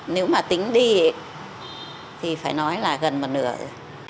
nếu mà tính đi thì phải nói là gần một nửa